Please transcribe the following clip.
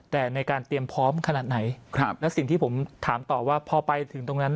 แต่ในการเตรียมพร้อมขนาดไหนแล้วสิ่งที่ผมถามต่อว่าพอไปถึงตรงนั้น